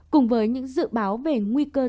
cùng với những dự báo về nguy cơ